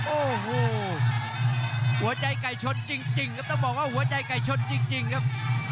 โอ้โหหัวใจไก่ชนจริงครับต้องบอกว่าหัวใจไก่ชนจริงครับ